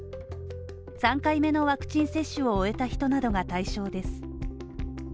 ３回目のワクチン接種を終えた人などが対象です。